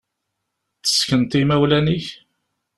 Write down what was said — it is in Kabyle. Tessekneḍ i imawlan-ik?